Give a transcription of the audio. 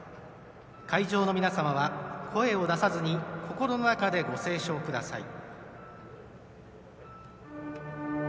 会場の皆様は声を出さずに心の中でご斉唱ください。